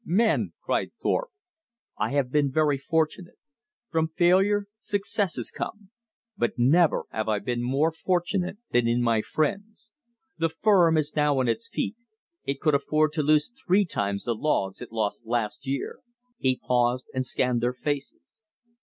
"Men," cried Thorpe, "I have been very fortunate. From failure success has come. But never have I been more fortunate than in my friends. The firm is now on its feet. It could afford to lose three times the logs it lost this year " He paused and scanned their faces.